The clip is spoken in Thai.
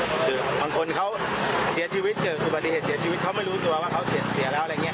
คือบางคนเขาเสียชีวิตเกิดอุบัติเหตุเสียชีวิตเขาไม่รู้ตัวว่าเขาเสียแล้วอะไรอย่างนี้